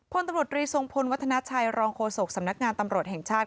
พลตำรวจรีทรงพลวัฒนาชัยรองโฆษกสำนักงานตำรวจแห่งชาติ